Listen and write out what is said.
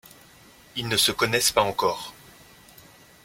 Ils ne se connaissent pas encore.